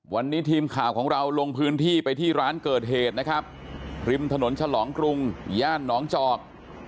วันนี้ทีมข่าวของเราลงพื้นที่ไปที่ร้านเกิดเหตุนะครับริมถนนฉลองกรุงย่านหนองจอก